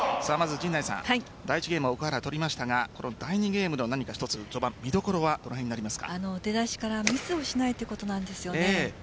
第１ゲームは奥原が取りましたが第２ゲームは序盤見どころは出だしからミスをしないということなんです。